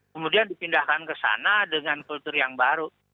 kemudian dipindahkan ke sana dengan kultur yang baru